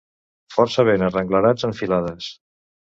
Força ben arrenglerats en filades.